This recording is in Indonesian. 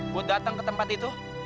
buat datang ke tempat itu